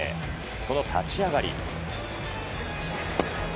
その立ち上がり。